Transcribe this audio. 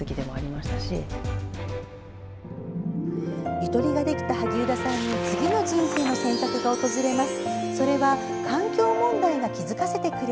ゆとりができた萩生田さんに次の「人生の選択」が訪れます。